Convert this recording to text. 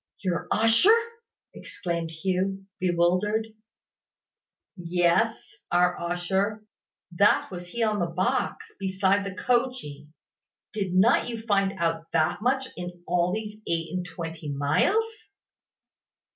"Your usher!" exclaimed Hugh, bewildered. "Yes, our usher. That was he on the box, beside coachee. Did not you find out that much in all these eight and twenty miles?"